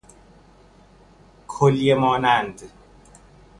کلیه مانند